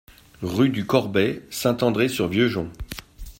Route du Corbet, Saint-André-sur-Vieux-Jonc